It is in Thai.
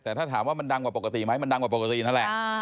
แต่ถ้าถามว่ามันดังกว่าปกติไหมมันดังกว่าปกตินั่นแหละ